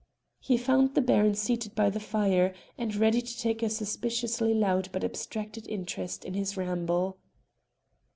He found the Baron seated by the fire, and ready to take a suspiciously loud but abstracted interest in his ramble.